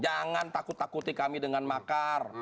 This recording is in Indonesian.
jangan takut takuti kami dengan makar